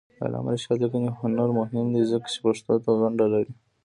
د علامه رشاد لیکنی هنر مهم دی ځکه چې پښتو ته ونډه لري.